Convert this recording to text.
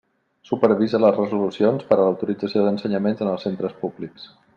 Supervisa les resolucions per a l'autorització d'ensenyaments en els centres públics.